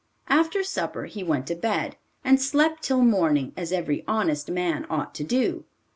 After supper he went to bed and slept till morning, as every honest man ought to do.